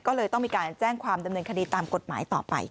ก็เลยต้องมีการแจ้งความดำเนินคดีตามกฎหมายต่อไป